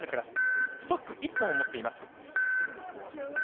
ストック１本を持っています。